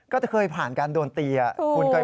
ไม้บรรทัดที่มือ